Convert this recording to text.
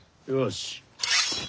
よし。